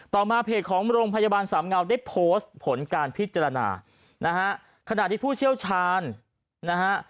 ต่อมาเพจของโรงพยาบาลสามเงาได้โพสต์ผลการพิจารณานะฮะขณะที่ผู้เชี่ยวชาญนะฮะ